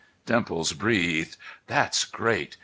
'" Dimples breathed. "That's great!